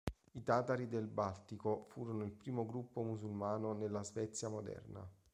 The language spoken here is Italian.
I Tatari del Baltico furono il primo gruppo musulmano nella Svezia moderna.